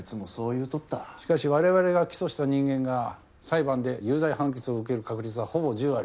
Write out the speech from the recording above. しかし我々が起訴した人間が裁判で有罪判決を受ける確率はほぼ１０割。